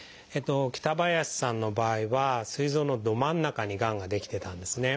北林さんの場合はすい臓のど真ん中にがんが出来てたんですね。